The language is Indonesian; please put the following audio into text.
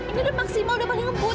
ini udah maksimal udah paling ngebut